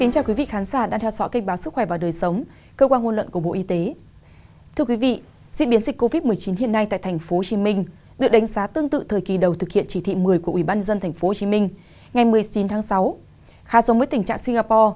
cảm ơn các bạn đã theo dõi